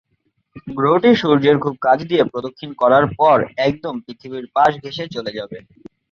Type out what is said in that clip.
গ্রহটি সূর্যের খুব কাছ দিয়ে প্রদক্ষিণ করার পর একদম পৃথিবীর পাশ ঘেষে চলে যাবে।